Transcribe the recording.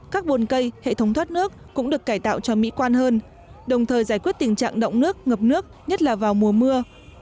các bồn cây hệ thống thoát nước cũng được cải tạo cho mỹ quan hơn đồng thời giải quyết tình trạng động nước ngập nước nhất là vào mùa mưa